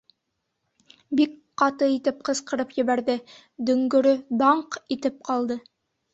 Бик ҡаты итеп ҡысҡырып ебәрҙе, дөңгөрө «даңҡ» итеп ҡалды.